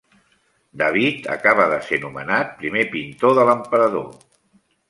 David acabava de ser nomenat primer pintor de l'emperador.